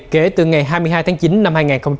kể từ ngày hai mươi hai tháng chín năm hai nghìn hai mươi ba